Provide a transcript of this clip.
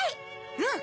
うん！